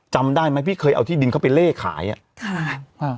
จำได้มั้ยพี่เคยเอาที่ดินเขาไปเล่ขายอ่ะ